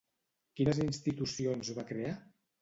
Quines institucions va crear?